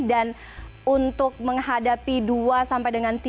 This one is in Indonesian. dan untuk menghadapi dua sampai dengan tiga tahun